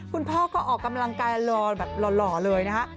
คุณพ่อก็ออกกำลังกายรอแบบหล่อเลยนะฮะ